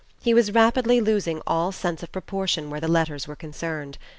He was rapidly losing all sense of proportion where the "Letters" were concerned.